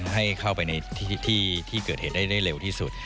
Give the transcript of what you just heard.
ให้เข้าไปในที่เกิดเหตุได้เร็วที่สุด